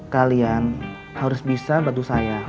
kalian harus bisa bantu saya